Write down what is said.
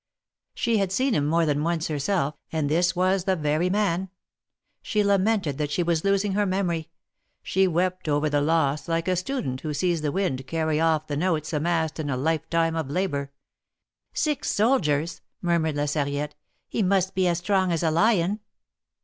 She had seen him more than once herself, and this was the very man. She lamented that she was losing her memory. She wept over the loss like a student who sees the wind carry off the notes amassed in a lifetime of labor. " Six soldiers !" murmured La Sarriette. " He must be as strong as a lion."